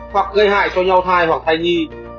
hoặc gây hại cho nhau thai hoặc thai nhi